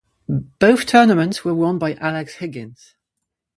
Both tournaments were won by Alex Higgins.